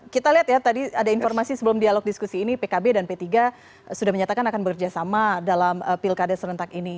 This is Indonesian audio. kita lihat ya tadi ada informasi sebelum dialog diskusi ini pkb dan p tiga sudah menyatakan akan bekerjasama dalam pilkada serentak ini